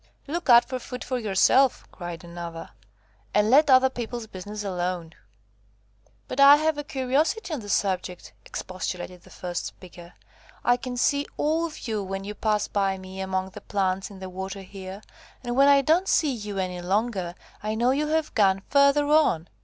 "Look out for food for yourself," cried another, "and let other people's business alone." "But I have a curiosity on the subject," expostulated the first speaker. "I can see all of you when you pass by me among the plants in the water here; and when I don't see you any longer, I know you have gone further on.